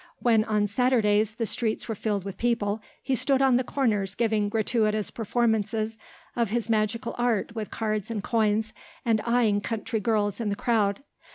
When on Saturdays the streets were filled with people, he stood on the corners giving gratuitous performances of his magical art with cards and coins, and eyeing country girls in the crowd.